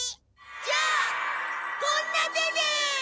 じゃあこんな手で！